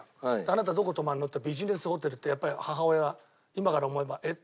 「あなたどこ泊まるの？」って「ビジネスホテル」ってやっぱり母親今から思えば「え？」って思うじゃない。